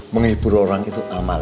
menghibur orang itu amal